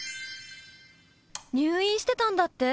入院してたんだって？